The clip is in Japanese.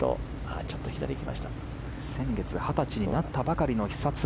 先月二十歳になったばかりの久常。